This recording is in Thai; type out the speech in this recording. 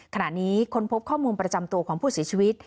ขณะนี้ค้นพบข้อมูลประจำโตของผู้เสียชีวิต